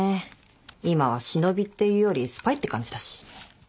今は忍びっていうよりスパイって感じだし。